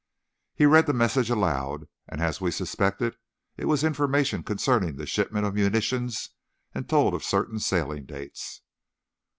He read the message aloud, and as we suspected, it was information concerning the shipment of munitions, and told of certain sailing dates.